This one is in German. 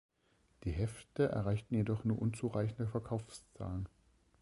Die Hefte erreichten jedoch nur unzureichende Verkaufszahlen.